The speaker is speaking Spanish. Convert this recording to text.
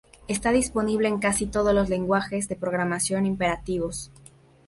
Está disponible en casi todos los lenguajes de programación imperativos.